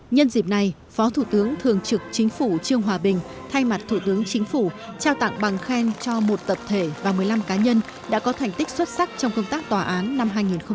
nhân dịp này phó thủ tướng thường trực chính phủ trương hòa bình thay mặt thủ tướng chính phủ trao tặng bằng khen cho một tập thể và một mươi năm cá nhân đã có thành tích xuất sắc trong công tác tòa án năm hai nghìn một mươi chín